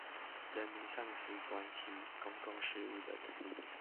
人民喪失了關心公共事務的能力